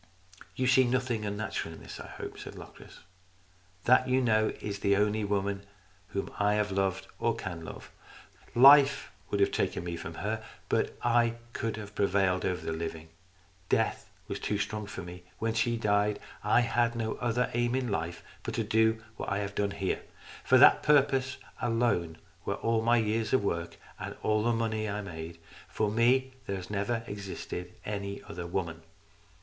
"You see nothing unnatural in this, I hope," said Locris. " That, you know, is the only woman whom I have loved or can love. Life would have taken me from her, but I could have prevailed over the living. Death was too strong for me. When she died I had no other aim in life but to do what I have done here. For that purpose alone were all my years of work, and all the money that I made. For me there has never existed any other woman."